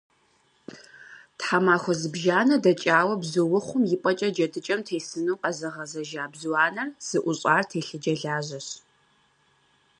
Тхьэмахуэ зыбжанэ дэкӀауэ бзуухъум и пӀэкӀэ джэдыкӀэм тесыну къэзыгъэзэжа бзу анэр зыӀущӀар телъыджэ лажьэщ.